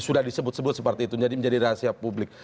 sudah disebut sebut seperti itu jadi menjadi rahasia publik